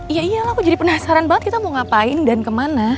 iya iyalah aku jadi penasaran banget kita mau ngapain dan kemana